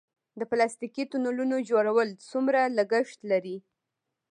د پلاستیکي تونلونو جوړول څومره لګښت لري؟